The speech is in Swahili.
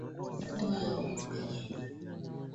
Mito ya Ugala na Ruchungi inakutana na mto Malagarasi